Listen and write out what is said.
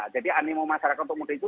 jadi animo masyarakat untuk mudik itu